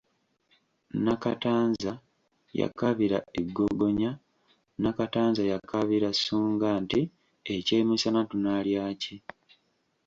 Nakatanza yakaabira e Ggogonya Nakatanza yakaabira Ssunga Nti ekyemisana tunaalya ki?